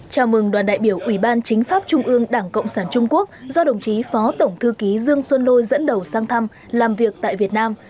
chào mừng đoàn đại biểu ủy ban chính pháp trung ương đảng cộng sản trung quốc do đồng chí phó tổng thư ký dương xuân lôi dẫn đầu sang thăm làm việc tại việt nam